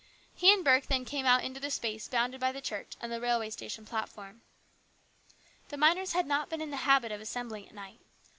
He and Burke then came out into the space bounded by the church and the railway station platform. The miners had not been in the habit of assembling at night.